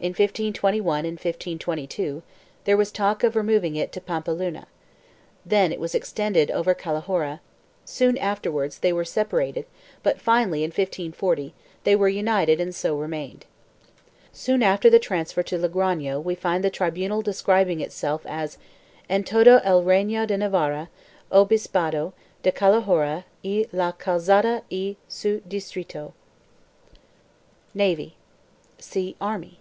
In 1521 and 1522 there was talk of removing it to Pampeluna; then it was extended over Cala horra; soon afterwards they were separated but finally, in 1540, they were united and so remained. Soon after the transfer to Logrono we find the tribunal describing itself as " en todo el Reyno de Navarra, Obispado de Calahorra y la Calzada y su distrito."1 NAVY. See ARMY.